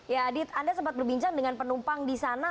ya adit anda sempat berbincang dengan penumpang disana